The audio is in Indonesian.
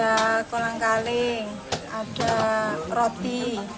ada kolang kaling ada roti